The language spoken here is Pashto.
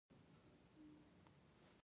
له هرې خوا ورڅخه خطرونه چاپېر شوي دي.